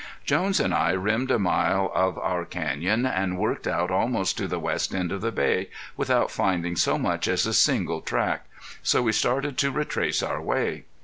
Jones and I rimmed a mile of our canyon and worked out almost to the west end of the Bay, without finding so much as a single track, so we started to retrace our way.